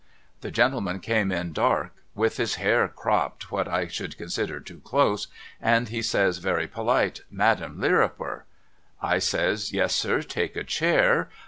The gentleman came in dark and with his hair cropped what I should consider too close, and he says very polite ' Madame Lirrwiper !' I says ' Yes sir. Take a chair.'